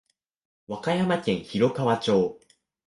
和歌山県広川町